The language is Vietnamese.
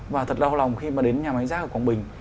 và thật đau lòng khi mà đến nhà máy rác ở quảng bình